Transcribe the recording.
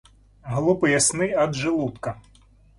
Глупые сны от желудка.